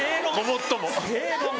もっとも。